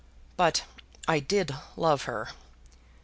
But I did love her."